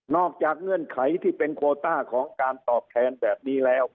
เงื่อนไขที่เป็นโคต้าของการตอบแทนแบบนี้แล้ว